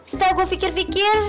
setelah gue pikir pikir